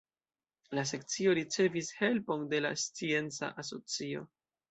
La Sekcio ricevis helpon de la Scienca Asocio.